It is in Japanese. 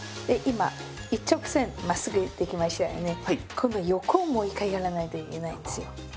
今度は横をもう一回やらないといけないんですよ。